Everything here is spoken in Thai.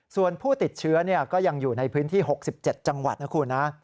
ส่วนผู้ติดเชื้อก็ยังอยู่ในพื้นที่๖๗จังหวัดนะคุณนะ